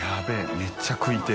めっちゃ食いてぇ。